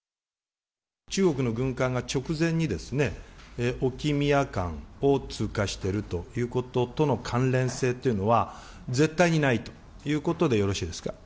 中国の軍艦が直前にですね、沖・宮間を通過してるということとの関連性っていうのは、絶対にないということでよろしいですか？